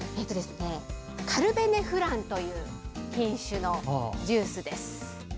カベルネ・フランという品種のジュースです。